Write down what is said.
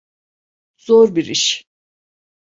Zor bir iş.